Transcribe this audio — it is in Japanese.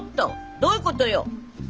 どういうことよ！